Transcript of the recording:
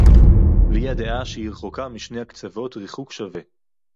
והיא הדעה שהיא רחוקה משני הקצוות ריחוק שווה